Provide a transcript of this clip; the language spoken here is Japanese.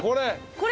これ？